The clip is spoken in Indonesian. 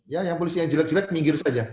ya yang polisi yang jelek jelek minggir saja